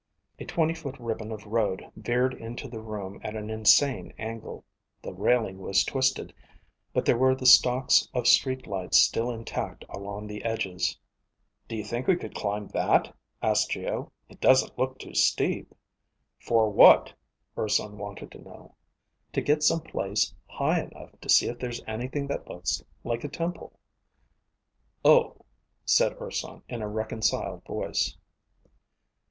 A twenty foot ribbon of road veered into the room at an insane angle. The railing was twisted, but there were the stalks of street lights still intact along the edges. "Do you think we could climb that?" asked Geo. "It doesn't look too steep." "For what?" Urson wanted to know. "To get some place high enough to see if there's anything that looks like a temple." "Oh," said Urson in a reconciled voice.